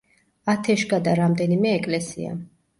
ათეშგა და რამდენიმე ეკლესია.